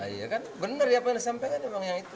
iya kan benar ya apa yang disampaikan orang yang itu